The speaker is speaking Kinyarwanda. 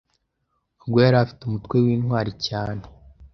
ubwo yari afite umutwe w’ intwari cyane